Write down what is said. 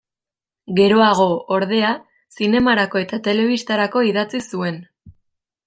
Geroago, ordea, zinemarako eta telebistarako idatzi zuen.